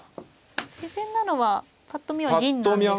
自然なのはぱっと見は銀なんですか。